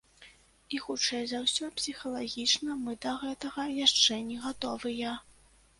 І, хутчэй за ўсё, псіхалагічна мы да гэтага яшчэ не гатовыя.